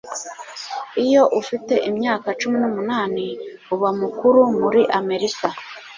iyo ufite imyaka cumi n'umunani, uba mukuru muri amerika